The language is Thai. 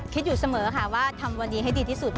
คิดอยู่เสมอค่ะว่าทำวันนี้ให้ดีที่สุด